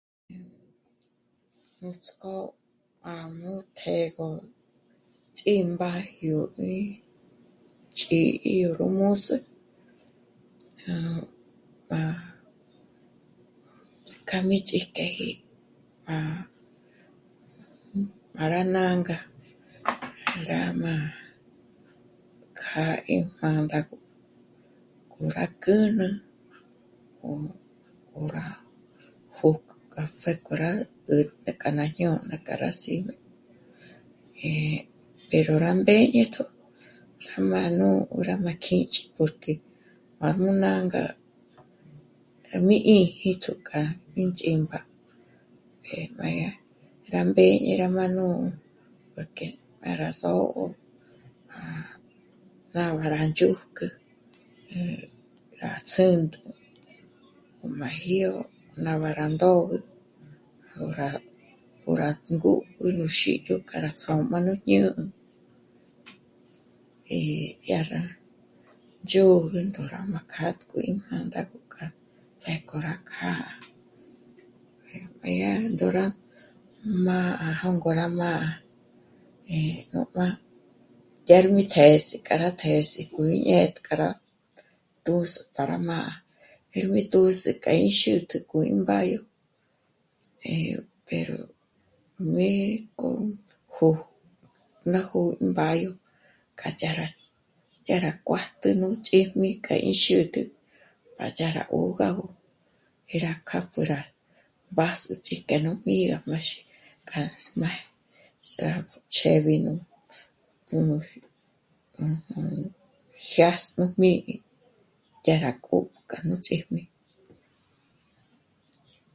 Nuts'k'ó... à mū̀'ū tjë̌'ëgö ts'ímba yó ch'í'i yó mǔs'ü, ah... pá... kjâ'a mí ts'íkjéji pá... para nânga, rá má'a kjâ'a í mándagö k'o rá kjǚjnü o... o... rá... pjók... k'a pjéko rá 'ä̀t'ä k'a ná jñôna k'a rá sí'm'e, eh... pero rá mběñetjo rá má'a nú rá má kjích'i porque pa nú nânga rá mí 'ī́jī́tjo k'a ínts'ímp'a eh... má yá... rá mbéñe rá má'a nú porque para só'o... rá 'óra ndzhǘjk'ü, eh... rá ts'ä́nt'ü ó májyo nà mbâra ndógü o rá... ó rá tsǜ'gü nú xídyo k'a rá ts'ómbanu ñä́'ä y dyá rá ndzhôgü ndó rá má'a kjátk'o í mándagö pjéko rá kjâ'a. Má yá ndóra, má'a jôngo rá má'a eh... nú jmà'a dyárm'ü të̌s'e k'a rá të̌s'ë k'u í ñétk'a rá pǜs'ü k'a rá má'a pero mí tū̌ns'ü k'a í xä̀'tjä k'o ímbáyo eh... pero mí k'o... jó... ná jó'o mbáyo k'a dyá rá dyá rá kuájtju nú ch'íjmi mí k'a í xä̌t'ä pa dyá rá 'ö̌gagö e rá kájpjü rá mbás'ü ts'íjk'e nú mí'a má xíjmi, kaj... má... rá ch'ë̌b'i nú... nú... nújnù jyás'üjmí dyá rá k'ó'o k'a nú ts'íjmi